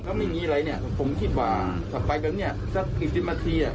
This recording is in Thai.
มันไม่มีอะไรเนี่ยผมไม่คิดว่าถ้าไปกันเนี่ยสักอีกสิบนาที